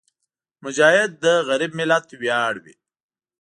مجاهد د غریب ملت ویاړ وي.